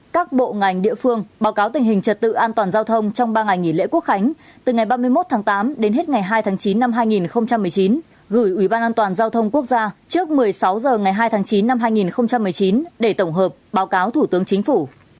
các bộ ngành địa phương báo cáo tình hình trật tự an toàn giao thông trong ba ngày nghỉ lễ quốc khánh từ ngày ba mươi một tháng tám đến hết ngày hai tháng chín năm hai nghìn một mươi chín gửi ủy ban an toàn giao thông quốc gia trước một mươi sáu h ngày hai tháng chín năm hai nghìn một mươi chín để tổng hợp báo cáo thủ tướng chính phủ